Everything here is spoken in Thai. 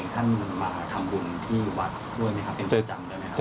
ท่านมาทำบุญที่วัดด้วยไหมครับเอ็นเตอร์จำได้ไหมครับ